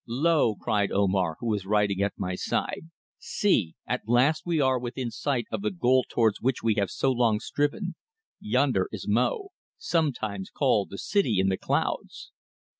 "Lo!" cried Omar, who was riding at my side. "See! At last we are within sight of the goal towards which we have so long striven. Yonder is Mo, sometimes called the City in the Clouds!"